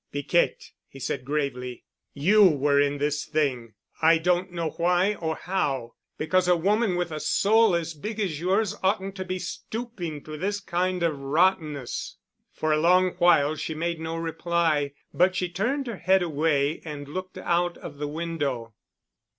"Piquette," he said gravely, "you were in this thing—I don't know why or how, because a woman with a soul as big as yours oughtn't to be stooping to this kind of rottenness." For a long while she made no reply, but she turned her head away and looked out of the window.